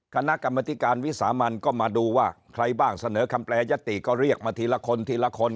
คณะกรรมธิการวิสามันก็มาดูว่าใครบ้างเสนอคำแปรยติก็เรียกมาทีละคนทีละคน